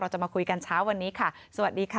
จะมาคุยกันเช้าวันนี้ค่ะสวัสดีค่ะ